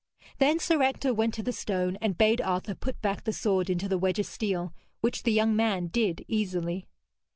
Then Sir Ector went to the stone and bade Arthur put back the sword into the wedge of steel, which the young man did easily.